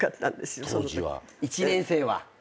１年生は？